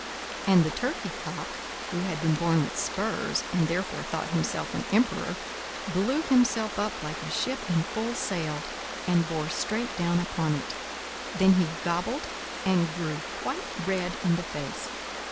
And the turkey cock, who had been born with spurs, and therefore thought himself an emperor, blew himself up like a ship in full sail, and bore straight down upon it; then he gobbled and grew quite red in the face.